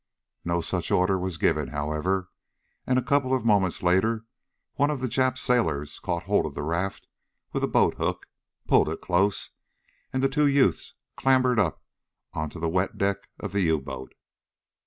No such order was given, however, and a couple of moments later one of the Jap sailors caught hold of the raft with a boat hook, pulled it close, and the two youths clambered up onto the wet deck of the U boat.